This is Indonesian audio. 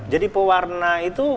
jadi pewarna itu